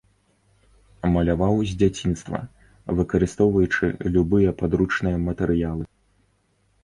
Маляваў з дзяцінства, выкарыстоўваючы любыя падручныя матэрыялы.